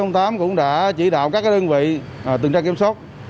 phòng pc tám cũng đã chỉ đạo các cái đơn vị tường tra kiểm soát